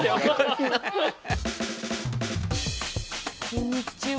こんにちは。